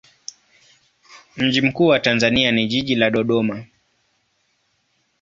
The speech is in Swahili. Mji mkuu wa Tanzania ni jiji la Dodoma.